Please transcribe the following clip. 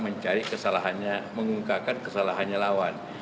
mencari kesalahannya mengungkakan kesalahannya lawan